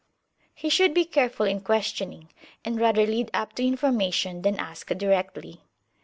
He should be careful in questioning, and rather lead up [p.113] to information than ask directly.